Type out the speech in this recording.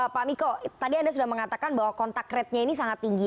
pak miko tadi anda sudah mengatakan bahwa kontak ratenya ini sangat tinggi